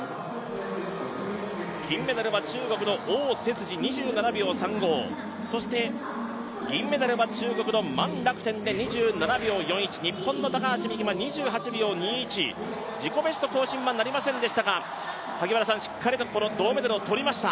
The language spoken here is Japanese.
金メダルは中国の汪雪児２７秒３５、そして銀メダルは中国の万楽天で２７秒４１、日本の高橋美紀は２８秒２１、自己ベスト更新はなりませんでしたがしっかりと銅メダルを取りました。